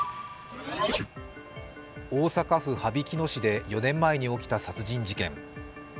大阪府羽曳野市で４年前に起きた殺人事件。